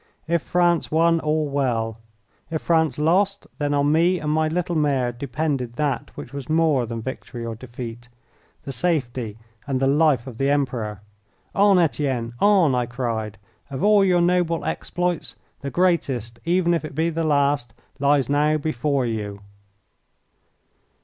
If France won, all well. If France lost, then on me and my little mare depended that which was more than victory or defeat the safety and the life of the Emperor. "On, Etienne, on!" I cried. "Of all your noble exploits, the greatest, even if it be the last, lies now before you!"